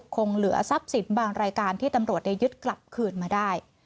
คงเหลือทรัพย์สินบางรายการที่ตำรวจได้ยึดกลับคืนมาได้